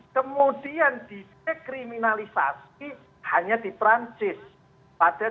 kemudian di dekriminalisasi hanya di prancis pada dua ribu sebelas